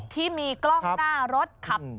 ที่มีกล้องหน้ารถขับ